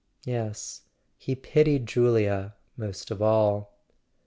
Yes; he pitied Julia most of all.